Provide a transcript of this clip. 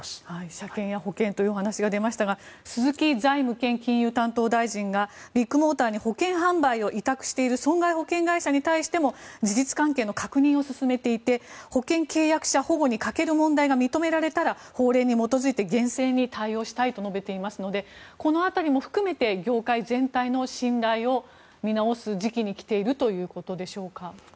車検や保険というお話が出ましたが鈴木財務兼金融担当大臣がビッグモーターに販売を委託している損害保険会社に対しても事実関係の確認を進めており保険契約者保護に欠ける問題が認められたら、法令に基づいて厳正に対応したいと述べていますのでこの辺りも含めて業界全体の信頼を見直す時期に来ているということでしょうか。